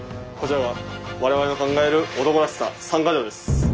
こちらが我々の考える男らしさ３か条です。